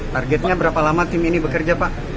targetnya berapa lama tim ini bekerja pak